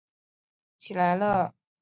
对不起啊记不起来了